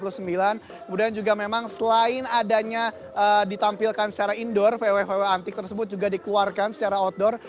kemudian juga memang selain adanya ditampilkan secara indoor vw vw antik tersebut juga dikeluarkan secara outdoor